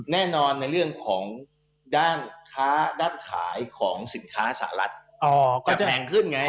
แน่นอนในเรื่องของด้านค้าด้านขายของสินค้าสหรัฐก็จะแพงขึ้นไง